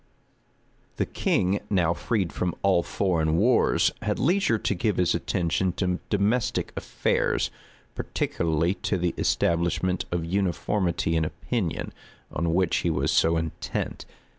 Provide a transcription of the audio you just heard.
The king, now freed from all foreign wars, had leisure to give his attention to domestic affairs; particularly to the establishment of uniformity in opinion, on which he was so intent.